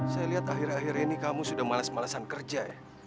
saya lihat akhir akhir ini kamu sudah malas malasan kerja